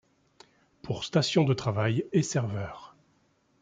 Pour station de travail et serveur.